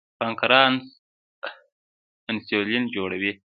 پانکریاس انسولین جوړوي.